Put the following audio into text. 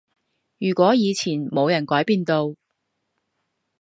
如果以前冇人改變到